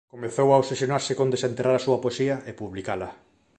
Comezou a obsesionarse con desenterrar a súa poesía e publicala.